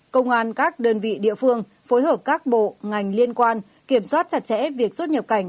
công an các đơn vị địa phương phối hợp các bộ ngành liên quan kiểm soát chặt chẽ việc xuất nhập cảnh